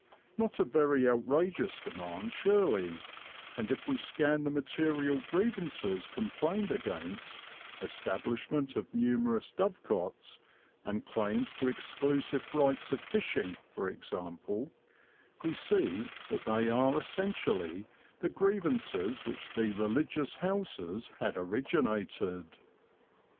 Not a very outrageous demand surely; and if we scan the material grievances complained against establishment of numerous dovecots, and claims to exclusive rights of fishing, for example we see that they are essentially the grievances which the religious houses had originated.